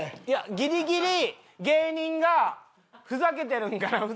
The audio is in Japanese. いやギリギリ芸人がふざけてるんかな？